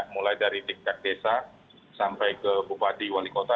mulai dari tingkat desa sampai ke bupati wali kota